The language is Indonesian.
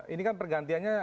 ini kan pergantiannya